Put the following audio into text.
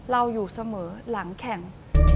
เราอยู่เสมอหลังแข่ง